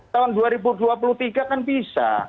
tahun dua ribu dua puluh tiga kan bisa